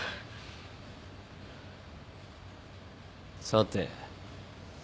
さて。